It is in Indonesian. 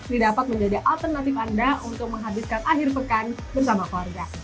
ini dapat menjadi alternatif anda untuk menghabiskan akhir pekan bersama keluarga